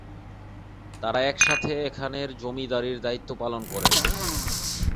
তারা একসাথে এখানের জমিদারির দায়িত্ব পালন করেন।